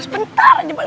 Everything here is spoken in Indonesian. sebentar aja pak